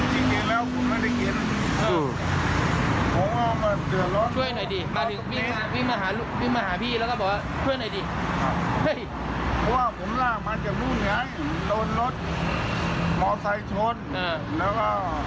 ตายแล้วตอนนั้นคุณตายแล้ว